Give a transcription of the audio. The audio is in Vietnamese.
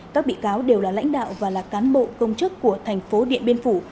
các bị cáo đều là lãnh đạo và là cán bộ công chức của thành phố điện biên phủ